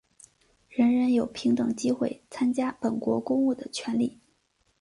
人人有平等机会参加本国公务的权利。